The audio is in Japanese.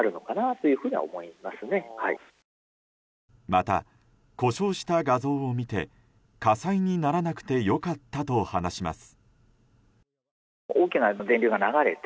また故障した画像を見て火災にならなくて良かったと話します。